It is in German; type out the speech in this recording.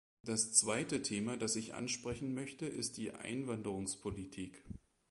Das zweite Thema, das ich ansprechen möchte, ist die Einwanderungspolitik.